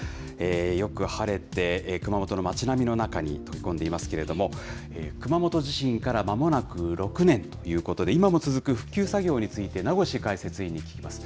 よく晴れて、熊本の街並みの中に溶け込んでいますけれども、熊本地震からまもなく６年ということで、今も続く復旧作業について、名越解説委員に聞きます。